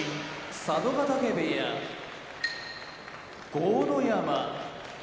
佐渡ヶ嶽部屋豪ノ山